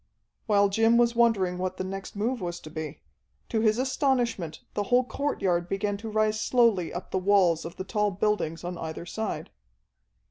While Jim was wondering what the next move was to be, to his astonishment the whole courtyard began to rise slowly up the walls of the tall buildings on either side.